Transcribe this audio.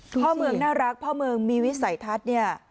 พ่อเมืองน่ารักพ่อเมืองมีวิสัยทัศน์เนี่ย